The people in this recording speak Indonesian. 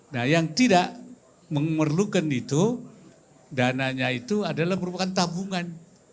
nah yang tidak memerlukan itu dananya itu adalah merupakan tabungan